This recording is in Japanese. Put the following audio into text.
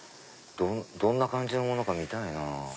どんな感じのものか見たいなぁ。